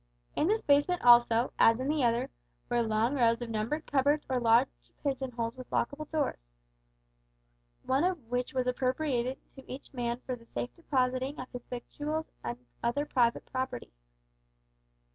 In this basement also, as in the other, were long rows of numbered cupboards or large pigeon holes with lockable doors, one of which was appropriated to each man for the safe depositing of his victuals and other private property.